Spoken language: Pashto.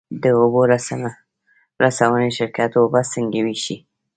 د اوبو رسونې شرکت اوبه څنګه ویشي؟